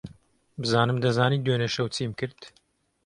بزانم دەزانیت دوێنێ شەو چیم کرد.